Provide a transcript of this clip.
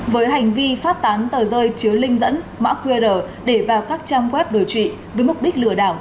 với hành vi phát tán tờ rơi chứa linh dẫn mã qr để vào các trang web đối trị với mục đích lừa đảo